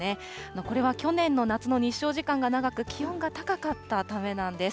これは去年の夏の日照時間が長く、気温が高かったためなんです。